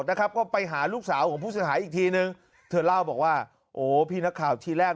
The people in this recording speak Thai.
นะครับก็ไปหาลูกสาวของผู้เสียหายอีกทีนึงเธอเล่าบอกว่าโอ้พี่นักข่าวทีแรก